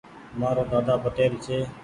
مآرو ۮاۮا پٽيل ڇي۔